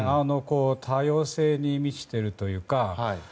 多様性に満ちているというか。